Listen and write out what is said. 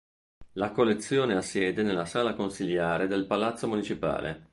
La Collezione ha sede nella Sala Consiliare del Palazzo Municipale.